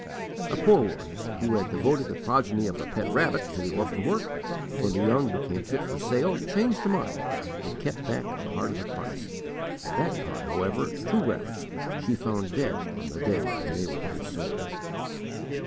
A poor woman, who had devoted the progeny of a pet rabbit to the orphan work, when the young became fit for sale changed her mind and "kept back a part of the price"; that part, however, two rabbits, she found dead on the day when they were to be sold.